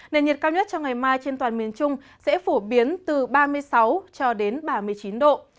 nền nhiệt cao nhất cho ngày mai trên toàn miền trung sẽ phổ biến từ ba mươi sáu cho đến ba mươi chín độ